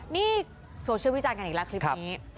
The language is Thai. นี่โซเชียลวิจารณ์กันอีกแล้วคลิปนี้